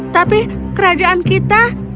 tapi kerajaan kita